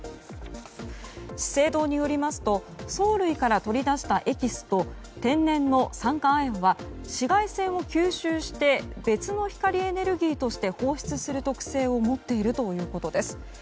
資生堂によりますと藻類から取り出したエキスと天然の酸化亜鉛は紫外線を吸収して別の光エネルギーとして放出する特性を持っているということです。